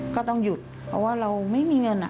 ก็ต้องหยุดเพราะว่าเราไม่มีเงิน